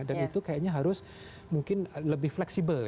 dan itu kayaknya harus mungkin lebih fleksibel